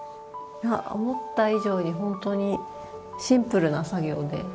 思った以上に本当にシンプルな作業で。